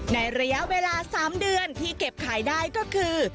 ในระยะเวลา๓เดือนที่เก็บขายได้ก็คือ